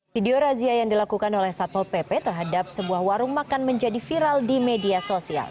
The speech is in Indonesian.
video razia yang dilakukan oleh satpol pp terhadap sebuah warung makan menjadi viral di media sosial